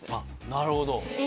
なるほど。